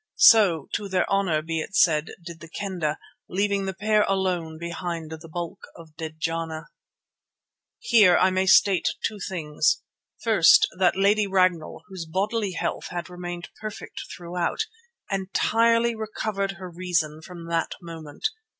So, to their honour be it said, did the Kendah, leaving the pair alone behind the bulk of dead Jana. Here I may state two things: first, that Lady Ragnall, whose bodily health had remained perfect throughout, entirely recovered her reason from that moment.